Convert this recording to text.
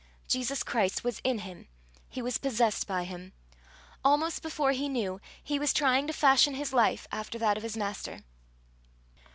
Jesus Christ was in him he was possessed by him. Almost before he knew, he was trying to fashion his life after that of his Master.